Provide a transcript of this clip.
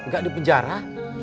gak di penjara